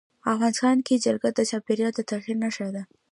افغانستان کې جلګه د چاپېریال د تغیر نښه ده.